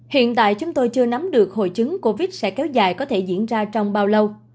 hiện tại chúng tôi chưa nắm được hội chứng covid sẽ kéo dài có thể diễn ra trong bao lâu